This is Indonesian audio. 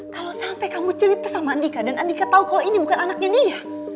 kalau sampai kamu cerita sama andika dan andika tahu kalau ini bukan anaknya dia